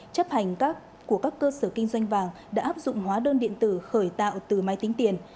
chấp hành của các cơ sở kinh doanh vàng đã áp dụng hóa đơn điện tử khởi tạo từ máy tính tiền